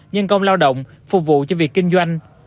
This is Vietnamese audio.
nhân công lao động phục vụ cho việc kinh doanh